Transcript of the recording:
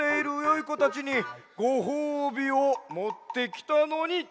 いこたちにごほうびをもってきたのに。